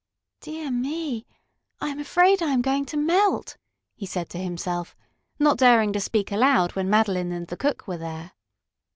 "Dear me, I am afraid I am going to melt!" he said to himself, not daring to speak aloud when Madeline and the cook were there.